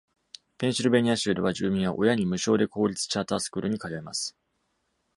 ペンシルベニア州では、住民は親に無償で公立チャータースクールに通えます。